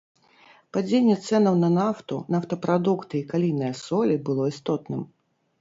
Падзенне цэнаў на нафту, нафтапрадукты і калійныя солі было істотным.